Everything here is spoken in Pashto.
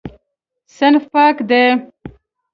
صنف پاک دی.